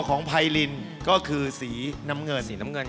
ของไพลินแล้วมีสีน้ำเงิน